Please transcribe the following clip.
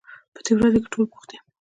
په دې ورځو کې ټول بوخت دي